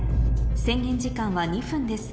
制限時間は２分です